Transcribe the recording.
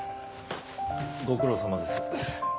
ご苦労さまです。